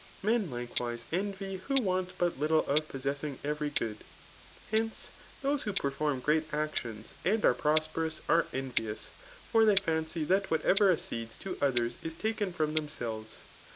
Men, likewise, envy who want but little of possessmg every good. Hence, those who per* form great actions, and are prosperous, are envious ; for they fiuicy that whatever accedes to others is taken from themselves.